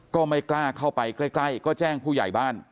ก็ไม่กล้าเข้าไปใกล้ก็แจ้งผู้ใหญ่บ้าน